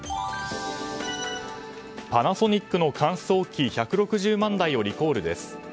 パナソニックの乾燥機１６０万台をリコールです。